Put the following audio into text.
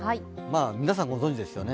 皆さんご存じですよね